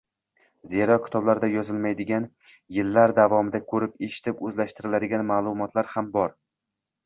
Zero, kitoblarda yozilmaydigan, yillar davomida ko‘rib-eshitib o‘zlashtiriladigan maʼlumotlar ham bor.